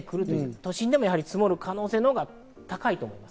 都心でも積もる可能性のほうが高いと思います。